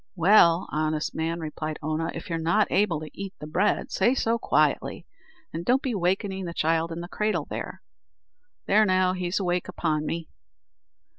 "Well, honest man," replied Oonagh, "if you're not able to eat the bread, say so quietly, and don't be wakening the child in the cradle there. There now, he's awake upon me."